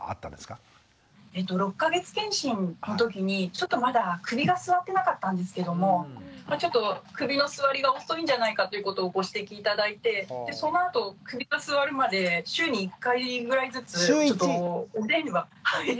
６か月健診のときにちょっとまだ首がすわってなかったんですけどもちょっと首のすわりが遅いんじゃないかということをご指摘頂いてそのあと首がすわるまで週に１回ぐらいずつお電話頂いて。